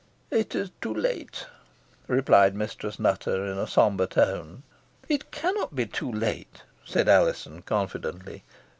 "It is too late," replied Mistress Nutter in a sombre tone. "It cannot be too late," said Alizon, confidently.